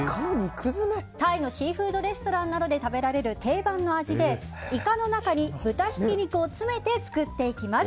タイのシーフードレストランなどで食べられる定番の味でイカの中に豚ひき肉を詰めて作っていきます。